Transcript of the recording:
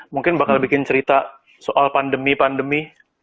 mungkin bakal bikin cerita soal pandemi pandemi